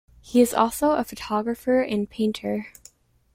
He is also a photographer and painter.